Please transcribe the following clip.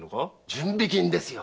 準備金ですよ。